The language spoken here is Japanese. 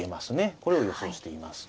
これを予想しています。